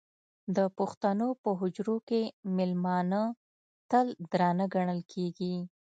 د پښتنو په حجرو کې مېلمانه تل درانه ګڼل کېږي.